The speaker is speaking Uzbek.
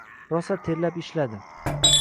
Rosa terlab ishladi.